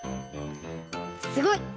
すごい！